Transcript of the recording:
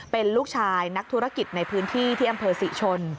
เป็นลูกชายนักธุรกิจในพื้นที่ที่อำเภอศรีชน